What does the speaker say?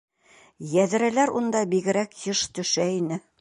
Йәҙрәләр унда бигерәк йыш төшә ине.